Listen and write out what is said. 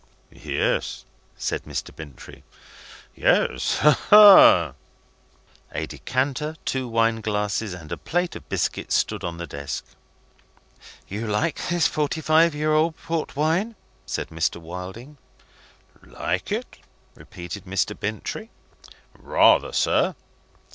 "Yes," said Mr. Bintrey. "Yes. Ha, ha!" A decanter, two wine glasses, and a plate of biscuits, stood on the desk. "You like this forty five year old port wine?" said Mr. Wilding. "Like it?" repeated Mr. Bintrey. "Rather, sir!"